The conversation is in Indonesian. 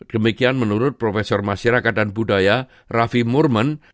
demikian menurut profesor masyarakat dan budaya raffi murman